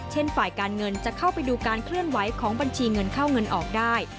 ฝ่ายการเงินจะเข้าไปดูการเคลื่อนไหวของบัญชีเงินเข้าเงินออกได้